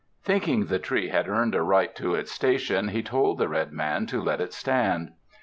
Thinking the tree had 46 ^>' THE DKSERTS <:'arued a right to its station, lie told the red man to let it stand.